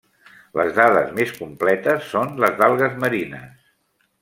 Les dades més completes són les d'algues marines.